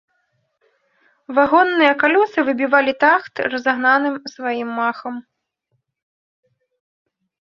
Вагонныя калёсы выбівалі тахт разагнаным сваім махам.